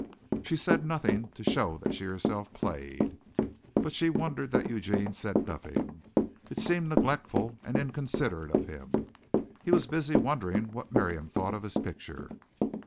She said nothing to show that she herself played, but she wondered that Eugene said nothing. It seemed neglectful and inconsiderate of him. He was busy wondering what Miriam thought of his picture.